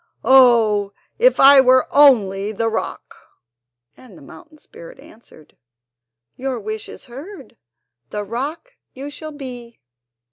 Oh, if I were only the rock!" And the mountain spirit answered: "Your wish is heard; the rock you shall be!